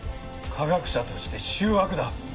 科学者として醜悪だ。